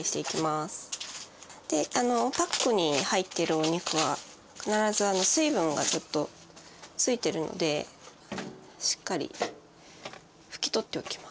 でパックに入ってるお肉は必ず水分がちょっとついてるのでしっかり拭き取っておきます。